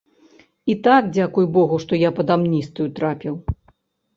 І так, дзякуй богу, што я пад амністыю трапіў.